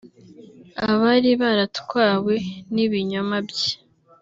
Abari baratwawe n’ibinyoma bye